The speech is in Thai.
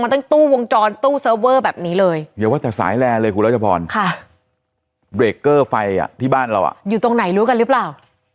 ตั้งตู้วงจรตู้เซิร์ฟเวอร์แบบนี้เลยอย่าว่าแต่สายแลนเลยคุณรัชพรค่ะเบรกเกอร์ไฟอ่ะที่บ้านเราอ่ะอยู่ตรงไหนรู้กันหรือเปล่า